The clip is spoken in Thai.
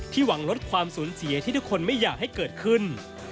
หวังลดความสูญเสียที่ทุกคนไม่อยากให้เกิดขึ้น